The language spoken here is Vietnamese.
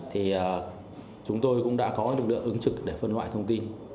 thì chúng tôi cũng đã có lực lượng ứng trực để phân loại thông tin